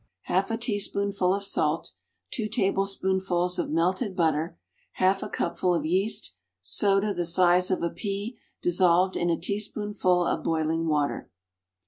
Half a teaspoonful of salt. Two tablespoonfuls of melted butter. Half a cupful of yeast. Soda the size of a pea, dissolved in a teaspoonful of boiling water.